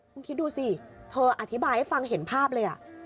คุณคิดดูสิเธออธิบายให้ฟังเห็นภาพเลย